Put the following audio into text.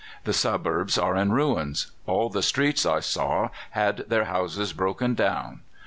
The suburbs are in ruins. All the streets I saw had their houses broken down.